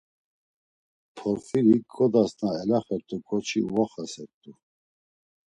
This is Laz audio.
Porfirik ǩodas na elaxert̆u ǩoçi uoxasert̆u.